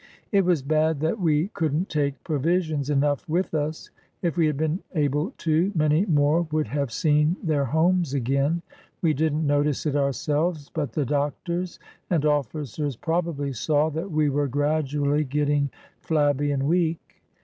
It was bad that we could n't take provisions enough with us. If we had been able to, many more would have seen their homes again. We did n't notice it ourselves, but the doctors and officers probably saw that we were gradually getting flabby and weak.